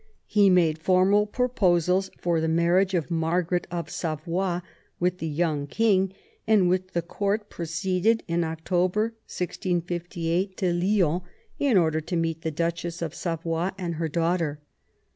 He made formal proposals for the marriage of Margaret of Savoy with the young king, and with the court proceeded in October 1658 to Lyons, in order to meet the Duchess of Savoy and her daughter.